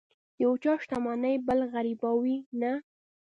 د یو چا شتمني بل غریبوي نه.